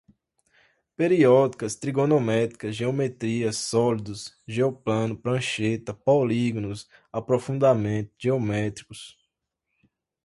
periódicas, trigonométricas, geometria, sólidos, geoplano, prancheta, políginos, aprofundamento, geométricos